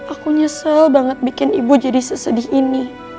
aku nyesel banget bikin ibu jadi sesedih ini